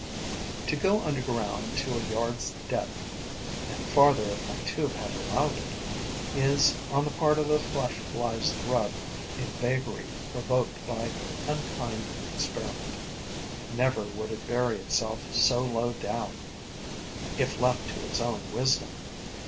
To go underground to a yard's depth and farther if my tube had allowed it is on the part of the Flesh fly's grub a vagary provoked by unkind experiment: never would it bury itself so low down, if left to its own wisdom.